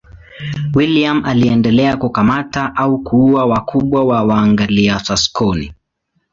William aliendelea kukamata au kuua wakubwa wa Waanglia-Saksoni.